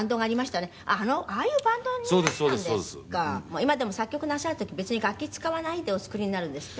今でも作曲なさる時別に楽器使わないでお作りになるんですって？